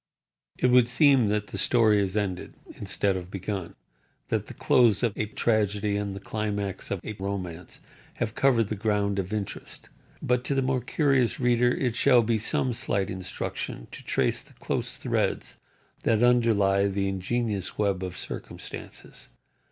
It would seem that the story is ended, instead of begun; that the close of tragedy and the climax of a romance have covered the ground of interest; but, to the more curious reader it shall be some slight instruction to trace the close threads that underlie the ingenuous web of circumstances.